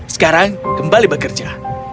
sekarang kembali bekerja